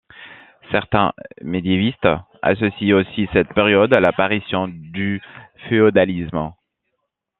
Certains médiévistes associent aussi cette période à l’apparition du féodalisme.